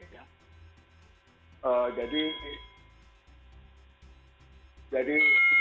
ya jadi jadi